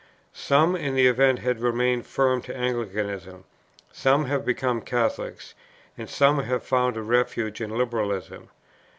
Some in the event have remained firm to Anglicanism, some have become Catholics, and some have found a refuge in Liberalism.